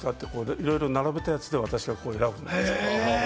いろいろ並べたやつで私が選ぶんです。